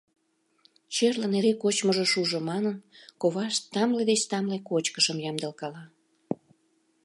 Черлын эре кочмыжо шужо манын, ковашт тамле деч тамле кочкышым ямдылкала.